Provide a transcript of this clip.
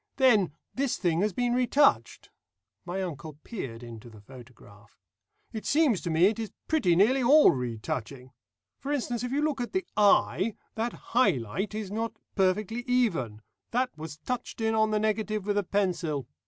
Then, this thing has been retouched." My uncle peered into the photograph. "It seems to me it is pretty nearly all retouching. For instance, if you look at the eye, that high light is not perfectly even; that was touched in on the negative with a pencil.